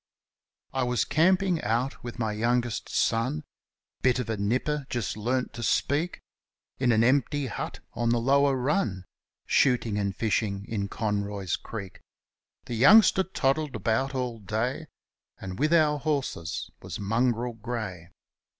I was camping out with my youngest son — Bit of a nipper, just learnt to speak — In an empty hut on the lower run. Shooting and fishing in Conroy's Creek. The youngster toddled about all day And there with our horses was Mongrel Grey.